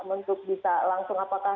untuk bisa langsung apakah